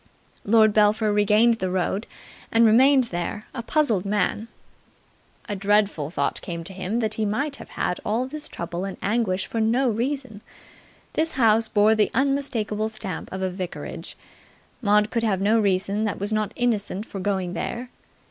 Lord Belpher regained the road, and remained there, a puzzled man. A dreadful thought came to him that he might have had all this trouble and anguish for no reason. This house bore the unmistakable stamp of a vicarage. Maud could have no reason that was not innocent for going there.